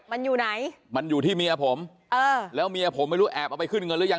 มันอยู่ไหนมันอยู่ที่เมียผมเออแล้วเมียผมไม่รู้แอบเอาไปขึ้นเงินหรือยัง